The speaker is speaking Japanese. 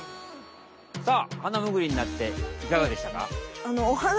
さあハナムグリになっていかがでしたか？